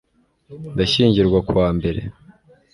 ndashyingirwa kuwa mbere